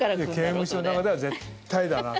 刑務所の中では絶対だなって。